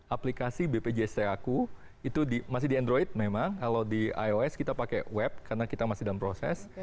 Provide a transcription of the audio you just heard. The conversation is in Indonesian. aplikasi bpjs aku itu masih di android memang kalau di ios kita pakai web karena kita masih dalam proses